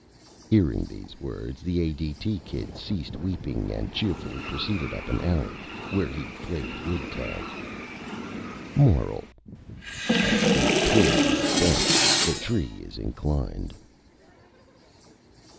Hearing these words the A.D.T. Kid ceased weeping and cheerfully proceeded up an Alley, where he played "Wood Tag." MORAL: _As the Twig is Bent the Tree is Inclined.